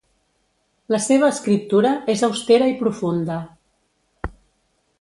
La seva escriptura és austera i profunda.